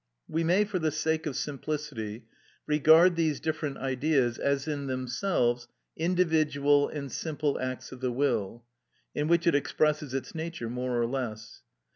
We may, for the sake of simplicity, regard these different Ideas as in themselves individual and simple acts of the will, in which it expresses its nature more or less.